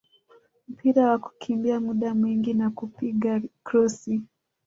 mpira wa kukimbia muda mwingi na kupiga krosi